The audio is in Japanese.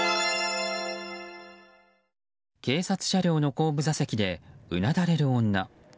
警察車両の後部座席でうなだれる女。